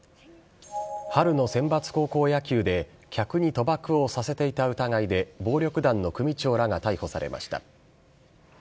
春の選抜高校野球で、客に賭博をさせていた疑いで、暴力団の組長らが逮捕されました。